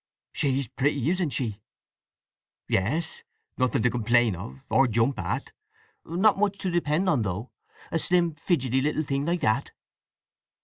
"She's pretty, isn't she!" "Yes—nothing to complain of; or jump at. Not much to depend on, though; a slim, fidgety little thing like that."